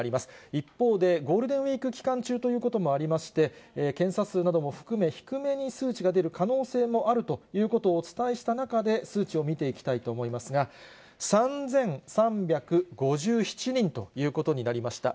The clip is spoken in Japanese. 一方で、ゴールデンウィーク期間中ということもありまして、検査数なども含め、低めに数値が出る可能性もあるということをお伝えした中で、数値を見ていきたいと思いますが、３３５７人ということになりました。